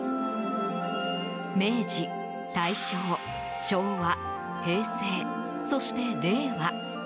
明治、大正、昭和、平成そして令和。